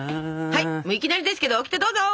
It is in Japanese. はいいきなりですけどオキテどうぞ！